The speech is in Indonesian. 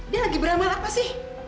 dia lagi beramal apa sih